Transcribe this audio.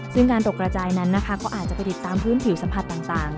ซึ่งการตกกระจายนั้นนะคะก็อาจจะไปติดตามพื้นผิวสัมผัสต่าง